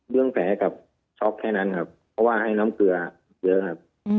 แผลให้กับช็อกแค่นั้นครับเพราะว่าให้น้ำเกลือเยอะครับ